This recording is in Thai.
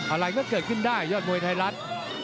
อะไรก็เกิดขึ้นได้ยอดมวยไทยรัฐ